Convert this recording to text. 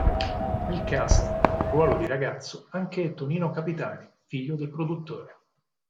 Nel cast, con un ruolo di ragazzo, anche Tonino Capitani, figlio del produttore.